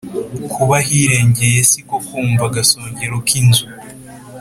kuba ahirengeye si ko kwumva-agasongero k'inzu.